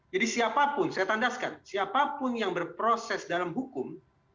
jadi siapapun saya tandaskan siapapun yang berproses dalam hukum